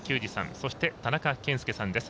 そして、田中賢介さんです。